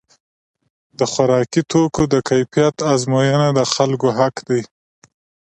د خوراکي توکو د کیفیت ازموینه د خلکو حق دی.